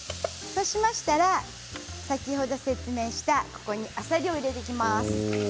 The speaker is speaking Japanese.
そうしましたら先ほど説明したここにあさりを入れていきます。